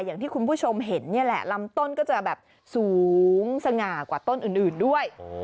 อย่างที่คุณผู้ชมเห็นนี่แหละลำต้นก็จะแบบสูงสง่ากว่าต้นอื่นด้วย